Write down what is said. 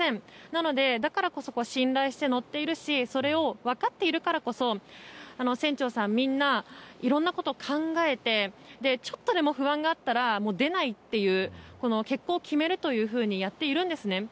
なので、だからこそ信頼して乗っているしそれを分かっているからこそ船長さんみんないろんなことを考えてちょっとでも不安があったら出ないという欠航を決めるというふうにやっているんですね。